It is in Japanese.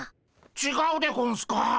ちがうでゴンスか。